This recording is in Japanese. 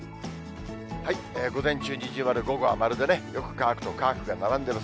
午前中二重丸、午後は丸でね、よく乾くと乾くが並んでます。